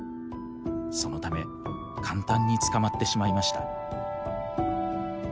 そのため簡単に捕まってしまいました。